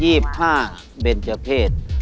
ยี่สิบห้าเบนเจอร์เพศ